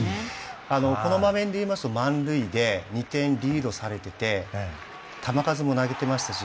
この場面でいいますと満塁で２点リードされてて球数も投げていましたし